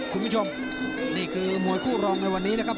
คุณผู้ชมนี่คือมวยคู่รองในวันนี้นะครับ